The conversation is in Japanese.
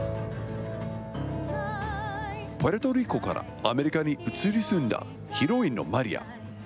プエルトリコからアメリカに移り住んだヒロインのマリア。